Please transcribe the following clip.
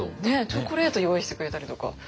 チョコレート用意してくれたりとか。